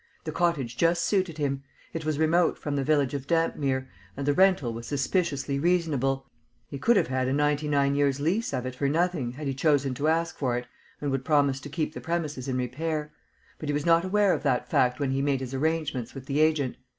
The cottage just suited him. It was remote from the village of Dampmere, and the rental was suspiciously reasonable; he could have had a ninety nine years' lease of it for nothing, had he chosen to ask for it, and would promise to keep the premises in repair; but he was not aware of that fact when he made his arrangements with the agent.